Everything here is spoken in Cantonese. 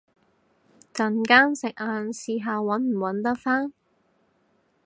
陣間食晏試下搵唔搵得返